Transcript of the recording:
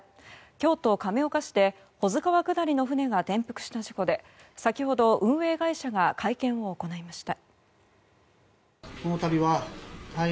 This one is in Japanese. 京都・亀岡市で保津川下りの船が転覆した事故で先ほど運営会社が会見を行いました。